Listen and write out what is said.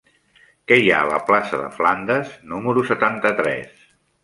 Què hi ha a la plaça de Flandes número setanta-tres?